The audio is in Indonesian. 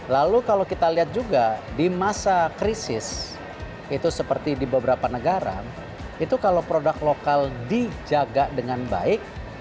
lalu kalau kita lihat juga di masa krisis itu seperti di beberapa negara itu kalau produk lokal dijaga dengan baik